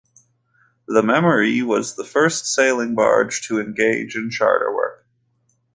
The "Memory" was the first sailing barge to engage in charter work.